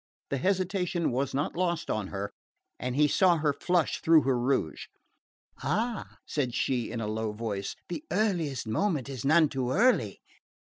The hesitation was not lost on her and he saw her flush through her rouge. "Ah," said she in a low voice, "the earliest moment is none too early!